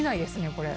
これ。